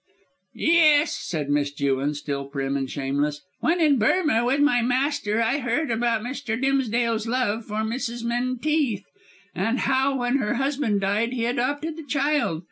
"Yes," said Miss Jewin, still prim and shameless. "When in Burmah with my master I heard about Mr. Dimsdale's love for Mrs. Menteith and how, when her husband died, he adopted the child.